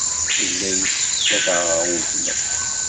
Yella yessefk ad aɣeɣ weltma-k.